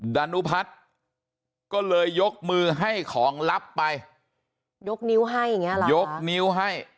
ดานุพัฒน์ก็เลยยกมือให้ของลับไปยกนิ้วให้อย่างเงี้เหรอยกนิ้วให้